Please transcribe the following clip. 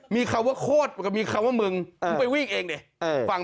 มีคำว่าโคตรก็มีคำว่ามึง